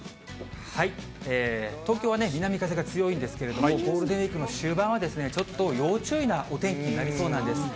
東京は南風が強いんですけれど、ゴールデンウィークの終盤は、ちょっと要注意なお天気になりそうなんです。